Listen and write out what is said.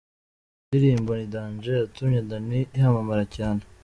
Indirimbo ’Ni danger’ yatumye Danny yamamara cyane:.